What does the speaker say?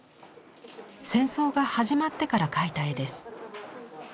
戦争が始まってから描いた絵です。